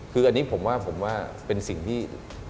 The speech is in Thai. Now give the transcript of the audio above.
คืออันนี้ผมว่าผมว่าเป็นสิ่งที่